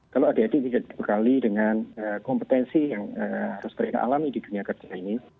kalau adik adik tidak dibekali dengan kompetensi yang harus mereka alami di dunia kerja ini